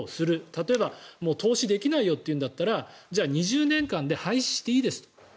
例えば投資できないよっていうんだったら、２０年間で廃止していいですと。